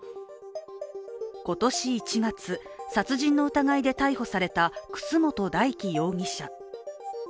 今年１月、殺人の疑いで逮捕された楠本大樹容疑者。